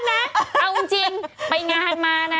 เอาจริงไปงานมานะ